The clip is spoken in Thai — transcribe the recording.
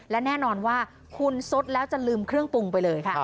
และแน่นอนว่าคุณซดแล้วจะลืมเครื่องปรุงไปเลยค่ะ